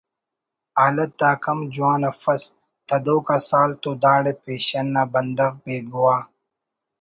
حالت آک ہم جوان افس تدوک آ سال تو داڑے پیشن نا بندغ بے گواہ